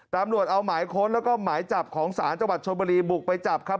ตำรวจเอาหมายค้นแล้วก็หมายจับของศาลจังหวัดชนบุรีบุกไปจับครับ